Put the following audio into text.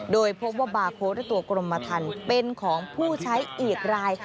โดยพบว่าบาร์โค้ดและตัวกรมทันเป็นของผู้ใช้อีกราย